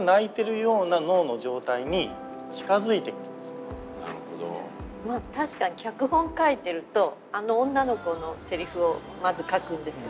今回だと確かに脚本書いてるとあの女の子のセリフをまず書くんですよ。